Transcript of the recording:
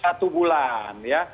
satu bulan ya